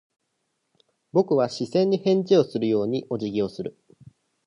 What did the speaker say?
僕は視線に返事をするようにお辞儀をする。